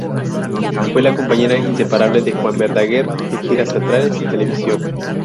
Fue la compañera inseparable de Juan Verdaguer en giras teatrales y televisión.